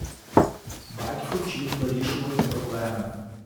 Батько вчить вирішувати проблеми.